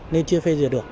nên chưa phê duyệt được